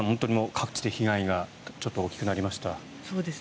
各地で被害が大きくなりました。